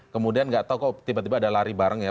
kemudian nggak tahu kok tiba tiba ada lari bareng ya